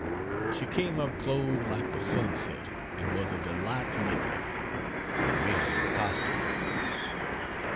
She came up clothed like the sunset, and was a delight to look at. (Roumanian costume.).....